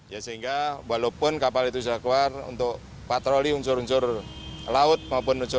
ya sehingga walaupun kapal itu sudah keluar untuk patroli unsur unsur laut maupun unsur